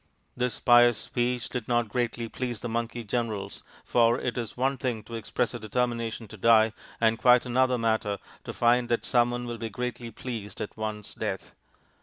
This pious speech did not greatly please the monkey generals, for it is one thing to express a determination to die, and quite another matter to find that some one will be greatly pleased at one's death.